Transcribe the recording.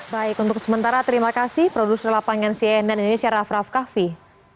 baik untuk sementara terima kasih produser lapangan cnn indonesia raff raff kaffi